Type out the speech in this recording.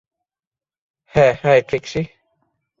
হ্যাঁ, হাই, ট্রিক্সি।